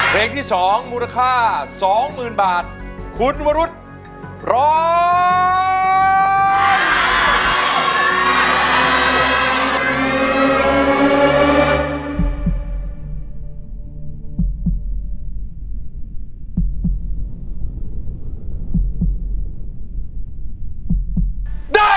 ข้ามใจข้ามใจข้ามใจ